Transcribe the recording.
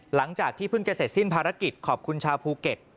หลังจากที่เพิ่งจะเสร็จสิ้นภารกิจขอบคุณชาวภูเก็ต